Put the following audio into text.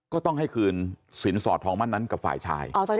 ก็ต้องให้คืนสินสอดทองมั่นนั้นกับฝ่ายชาย